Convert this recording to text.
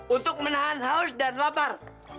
untuk menahan haus dan labar